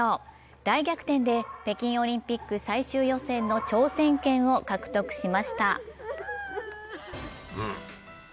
大逆転で北京オリンピック最終予選の挑戦権を獲得しました。